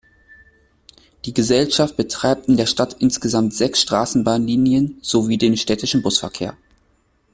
Die Gesellschaft betreibt in der Stadt insgesamt sechs Straßenbahnlinien sowie den städtischen Busverkehr.